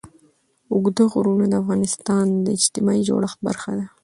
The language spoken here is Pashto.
اوږده غرونه د افغانستان د اجتماعي جوړښت برخه ده.